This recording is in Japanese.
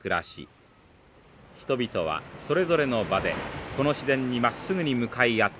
人々はそれぞれの場でこの自然にまっすぐに向かい合っています。